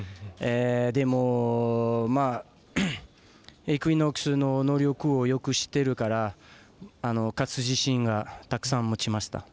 でも、イクイノックスの能力をよく知ってるから勝つ自信がたくさん持てました。